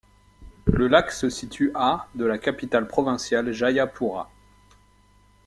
Le lac se situe à de la capitale provinciale Jayapura.